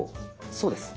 そうです。